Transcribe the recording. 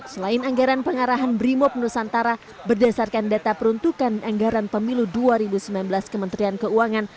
selain anggaran pengarahan brimob nusantara berdasarkan data peruntukan anggaran pemilu dua ribu sembilan belas kementerian keuangan